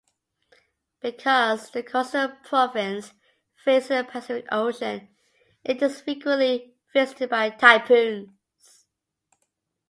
Because the coastal province faces the Pacific Ocean, it is frequently visited by typhoons.